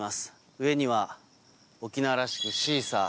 上には、沖縄らしくシーサー。